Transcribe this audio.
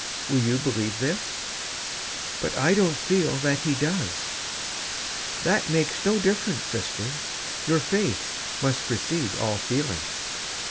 Will you believe this?" " But I don't feel that He does." " That makes no difference, sister ; your faith must precede all feeling."